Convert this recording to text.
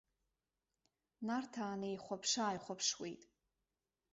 Нарҭаа неихәаԥшы-ааихәаԥшуеит.